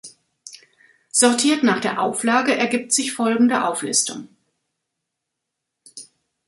Sortiert nach der Auflage ergibt sich folgende Auflistung.